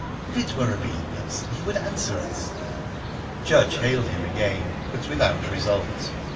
If it were a real person he would answer us." Judge hailed him again, but without result.